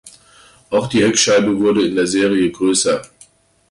Auch die Heckscheibe wurde in der Serie größer.